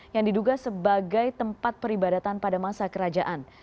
yang diduga sebagai tempat peribadatan pada masa kerajaan